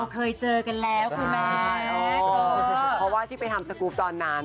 เพราะว่าที่ไปทำสกูฟตอนนั้น